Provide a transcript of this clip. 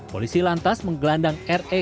polisi lantas menggelandang re